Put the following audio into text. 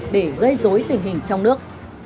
để gây dối tình hình trong nước